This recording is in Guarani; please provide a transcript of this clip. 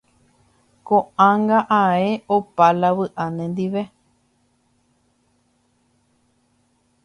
Ko'ág̃a ae opa la vy'a nendive.